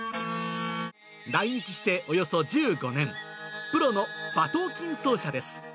来日しておよそ１５年、プロの馬頭琴奏者です。